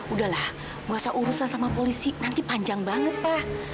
udahlah nggak usah urusan sama polisi nanti panjang banget pak